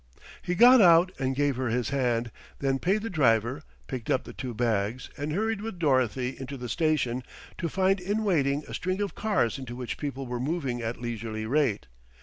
He got out and gave her his hand, then paid the driver, picked up the two bags, and hurried with Dorothy into the station, to find in waiting a string of cars into which people were moving at leisurely rate.